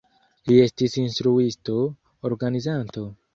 Li estis instruisto, organizanto.